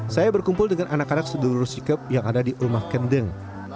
saya berkumpul dengan anak anak sedulur sikap yang ada di rumah kendeng